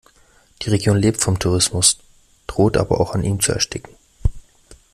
Die Region lebt vom Tourismus, droht aber auch an ihm zu ersticken.